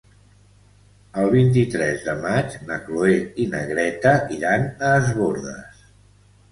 El vint-i-tres de maig na Cloè i na Greta iran a Es Bòrdes.